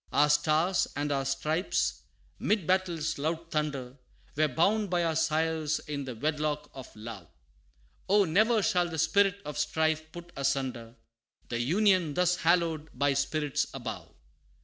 Our Stars and our Stripes 'mid battle's loud thunder, Were bound by our sires in the wedlock of love Oh! ne'er shall the spirit of strife put asunder, The UNION thus hallowed by spirits above.